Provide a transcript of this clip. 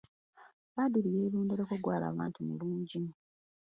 Badru yeerondereko gw'alaba nti mulungi.